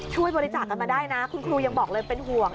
ช่วยบริจาคกันมาได้นะคุณครูยังบอกเลยเป็นห่วง